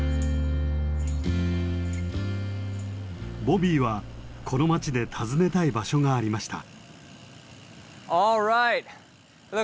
ボビーはこの町で訪ねたい場所がありました。